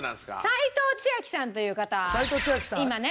齋藤千明さんという方は今ね。